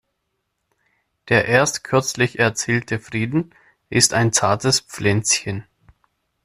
Der erst kürzlich erzielte Frieden ist ein zartes Pflänzchen.